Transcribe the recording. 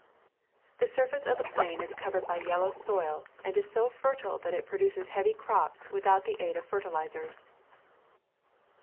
The sur face of the plain is covered by yellow soil and is so fertile that it produces heavy crops without the aid of fertilizers.